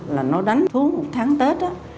là nó đánh xuống tháng tết